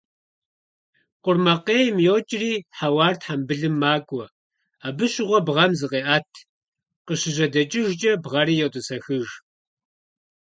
Къурмакъейм йокӀри хьэуар тхъэмбылым макӀуэ, абы щыгъуэ бгъэм зыкъеӀэт, къыщыжьэдэкӀыжкӀэ бгъэри йотӀысэхыж.